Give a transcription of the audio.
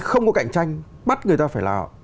không có cạnh tranh bắt người ta phải là